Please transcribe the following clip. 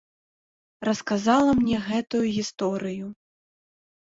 Расказала мне гэтую гісторыю.